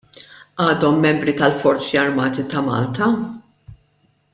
GĦadhom membri tal-Forzi Armati ta' Malta?